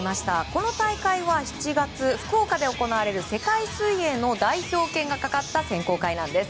この大会は７月福岡で行われる世界水泳の代表権がかかった選考会なんです。